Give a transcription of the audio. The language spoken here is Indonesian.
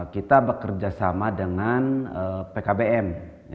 kita bekerja sama dengan pkbm